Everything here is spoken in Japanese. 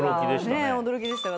驚きでしたね。